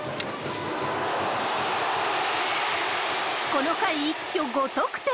この回、一挙５得点。